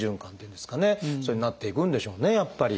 そういうふうになっていくんでしょうねやっぱり。